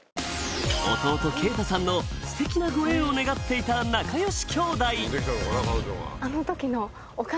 弟けいたさんのステキなご縁を願っていた仲良し兄弟！